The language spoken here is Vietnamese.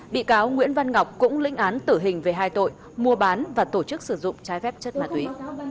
bị cáo nguyễn văn ngọc cũng lĩnh án tử hình về hai tội mua bán và tổ chức sử dụng trái phép chất ma túy